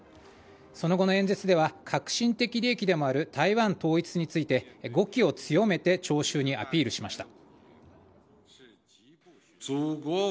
その後の演説では核心的利益でもある台湾統一について語気を強めて聴衆にアピールしました。